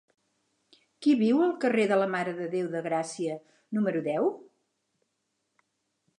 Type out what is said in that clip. Qui viu al carrer de la Mare de Déu de Gràcia número deu?